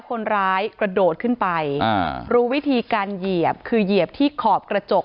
คนร้ายกระโดดขึ้นไปอ่ารู้วิธีการเหยียบคือเหยียบที่ขอบกระจก